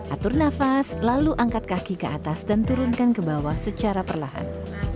atur nafas lalu angkat kaki ke atas dan turunkan ke bawah secara perlahan